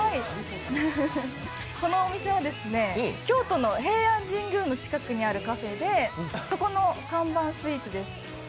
このお店は京都の平安神宮の近くにあるカフェでそこの看板スイーツです。